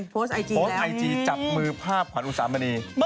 โพสต์ไอจีโพสต์ไอจีจับมือภาพขวัญอุสามณี